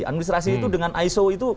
administrasi itu dengan iso itu